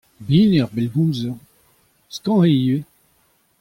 Bihan eo ar pellgomzer, skañv eo ivez.